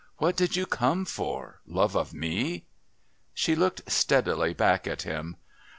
What did you come for? Love of me?" She looked steadily back at him.